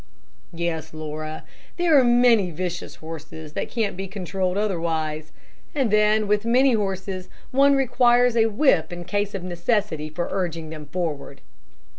"Yes, Laura. There are many vicious horses that can't be controlled otherwise, and then with many horses one requires a whip in case of necessity for urging them forward.